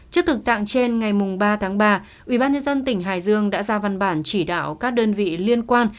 trước thực tạng trên ngày ba tháng ba ủy ban nhân dân tỉnh hải dương đã ra văn bản chỉ đạo các đơn vị liên quan